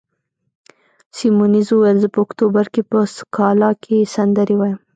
سیمونز وویل: زه په اکتوبر کې په سکالا کې سندرې وایم.